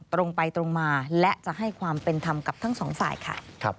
ตรงไปตรงมาและจะให้ความเป็นธรรมกับทั้งสองฝ่ายค่ะ